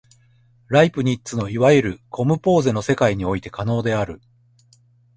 ライプニッツのいわゆるコムポーゼの世界において可能である。